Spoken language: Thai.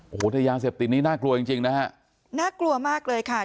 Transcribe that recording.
โอ้โหแต่ยาเสพติดนี้น่ากลัวจริงจริงนะฮะน่ากลัวมากเลยค่ะ